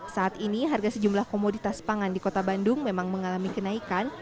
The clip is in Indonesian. saat ini harga sejumlah komoditas pangan di kota bandung memang mengalami kenaikan